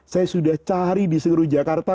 saya sudah cari di seluruh jakarta